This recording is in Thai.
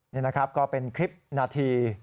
นี่นะครับก็เป็นคลิปนาที